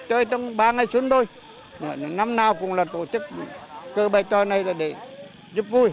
chơi trong ba ngày xuân thôi năm nào cũng là tổ chức cơ bài tròi này là để giúp vui